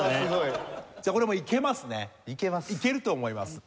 じゃあこれもいけますね。